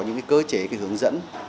những cơ chế hướng dẫn